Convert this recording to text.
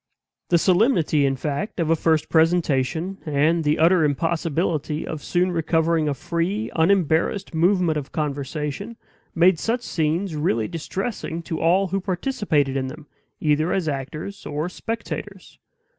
The solemnity, in fact, of a first presentation, and the utter impossibility of soon recovering a free, unembarrassed movement of conversation, made such scenes really distressing to all who participated in them, either as actors or spectators.